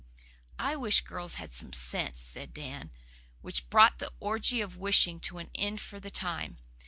"I wish girls had some sense," said Dan which brought the orgy of wishing to an end for the time.